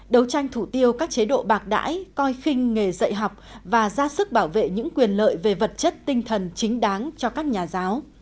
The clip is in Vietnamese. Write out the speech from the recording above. đấu tranh thủ tiêu các chế độ bạc đãi coi khinh nghề dạy học và ra sức bảo vệ những quyền lợi về vật chất tinh thần chính đáng cho các nhà giáo